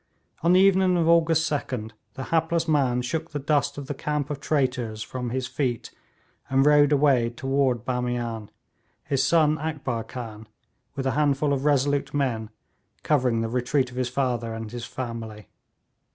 On the evening of August 2d the hapless man shook the dust of the camp of traitors from his feet, and rode away toward Bamian, his son Akbar Khan, with a handful of resolute men, covering the retreat of his father and his family.